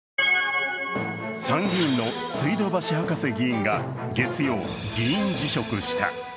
参議院の水道橋博士議員が月曜、議員辞職した。